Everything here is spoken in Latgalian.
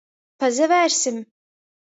Pasavērsim?